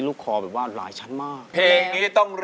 พูดเวลาอีกก็นาน